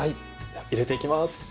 入れていきます。